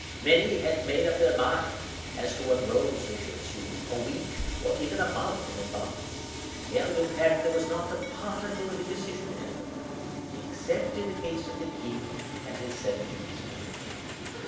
Many had made up their minds (as to what roles they should assume) a week, or even a month, in advance; and, in fact, there was not a particle of indecision anywhere—except in the case of the king and his seven minsters.